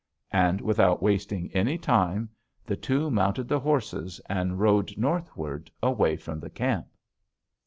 And without wasting any time the two mounted the horses and rode northward away from the camp.